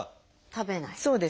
食べない？